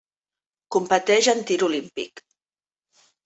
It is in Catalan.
Competeix en tir olímpic.